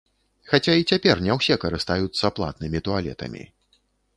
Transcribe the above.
Хаця і цяпер не ўсе карыстаюцца платнымі туалетамі.